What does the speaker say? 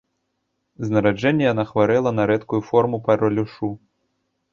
З нараджэння яна хварэла на рэдкую форму паралюшу.